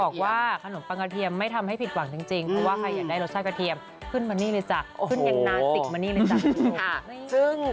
บอกว่าขนมปังกระเทียมไม่ทำให้ผิดหวังจริงเพราะว่าใครอยากได้รสชาติกระเทียมขึ้นมานี่เลยจ้ะขึ้นยังนาสิกมานี่เลยจ้ะ